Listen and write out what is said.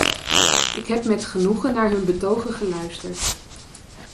Ik heb met genoegen naar hun betogen geluisterd.